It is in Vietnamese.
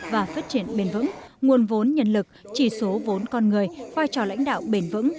và phát triển bền vững nguồn vốn nhân lực chỉ số vốn con người vai trò lãnh đạo bền vững